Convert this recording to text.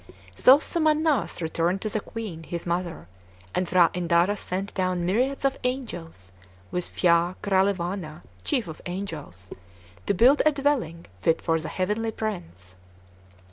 So Somannass returned to the Queen, his mother; and P'hra Indara sent down myriads of angels, with Phya Kralewana, chief of angels, to build a dwelling fit for the heavenly prince.